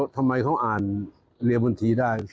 ทำไมเขาอ่านเรียนบนทีได้